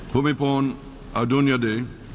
ภูมิพลอดุลยเดชน์